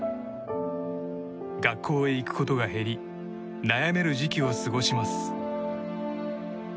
学校へ行くことが減り悩める時期を過ごします。